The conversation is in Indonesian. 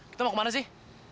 kita mau kemana sih